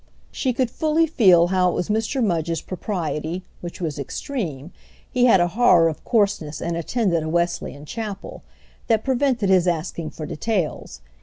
She could fully feel how it was Mr. Mudge's propriety, which was extreme—he had a horror of coarseness and attended a Wesleyan chapel—that prevented his asking for details.